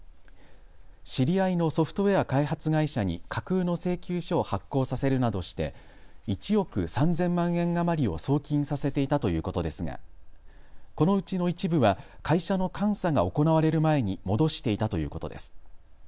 知り合いのソフトウエア開発会社に架空の請求書を発行させるなどして１億３０００万円余りを送金させていたということですがこのうちの一部は会社の監査が行われる前に戻していたということです。